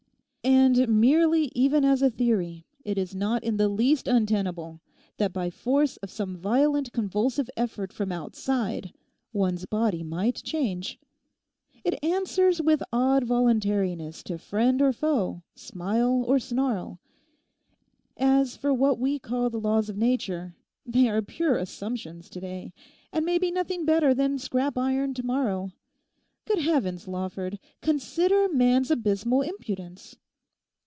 And merely even as a theory it is not in the least untenable that by force of some violent convulsive effort from outside one's body might change. It answers with odd voluntariness to friend or foe, smile or snarl. As for what we call the laws of Nature, they are pure assumptions to day, and may be nothing better than scrap iron tomorrow. Good Heavens, Lawford, consider man's abysmal impudence.